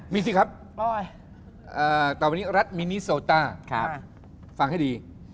มีสิครับแต่วันนี้รัฐมินิโซต้าฟังให้ดี